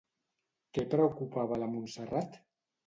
Què preocupava la Montserrat?